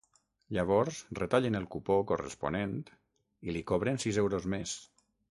Llavors retallen el cupó corresponent i li cobren sis euros més.